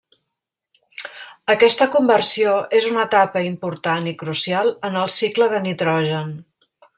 Aquesta conversió és una etapa important i crucial en el cicle de nitrogen.